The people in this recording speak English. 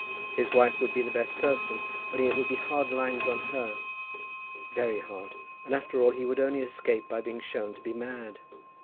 His wife would be the best person, only it would be hard lines on her." "Very hard. And after all he would only escape by being shown to be mad."